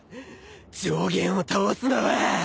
上弦を倒すのは。